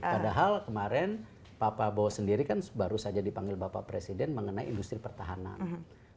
padahal kemarin pak prabowo sendiri kan baru saja dipanggil bapak presiden mengenai industri pertahanan